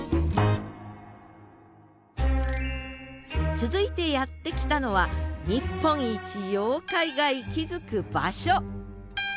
続いてやって来たのは日本一妖怪が息づく場所